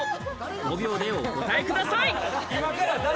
５秒でお答えください。